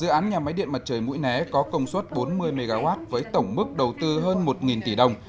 dự án nhà máy điện mặt trời mũi né có công suất bốn mươi mw với tổng mức đầu tư hơn một tỷ đồng